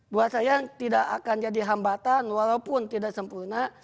buat saya tidak akan jadi hambatan walaupun tidak sempurna